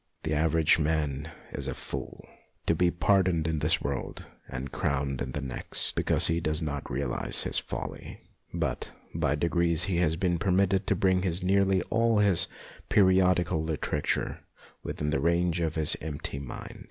The average man is a fool, to be pardoned in this world and crowned in the next, because he does not realize his folly ; but by degrees he has been per mitted to bring nearly all his periodical literature within the range of his empty mind.